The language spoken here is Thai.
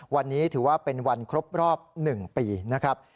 วันนี้ถือว่าเป็นวันครบรอบ๑ปีนะครับ